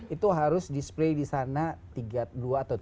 itu harus display di sana dua atau tiga